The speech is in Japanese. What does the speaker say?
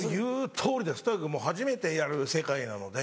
とにかく初めてやる世界なので。